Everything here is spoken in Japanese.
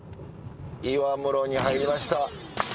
岩室に入りました。